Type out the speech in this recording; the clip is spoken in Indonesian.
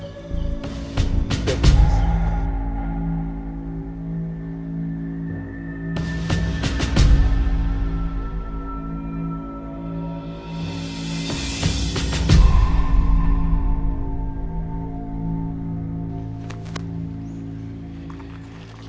hmmsss yang add